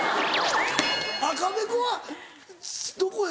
赤べこはどこや？